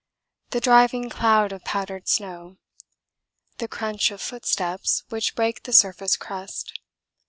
The driving cloud of powdered snow. The crunch of footsteps which break the surface crust.